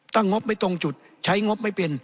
งบไม่ตรงจุดใช้งบไม่เป็น